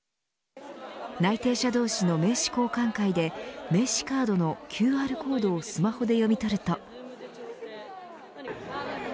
内定者同士の名刺交換会で名刺カードのＱＲコードをスマホで読み取ると。